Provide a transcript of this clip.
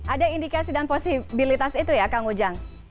ada indikasi dan posibilitas itu ya kak ngujang